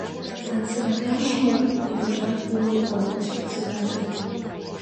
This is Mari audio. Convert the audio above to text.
— Танцеватлаш мо? — ынежак умыло колхоз председатель.